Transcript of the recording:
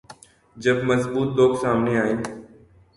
جب مضبوط لوگ سامنے آئیں۔